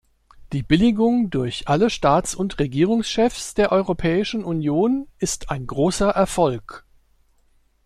Die Billigung durch alle Staats- und Regierungschefs der Europäischen Union ist ein großer Erfolg.